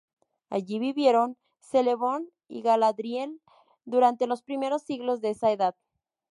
Allí vivieron Celeborn y Galadriel durante los primeros siglos de esa Edad.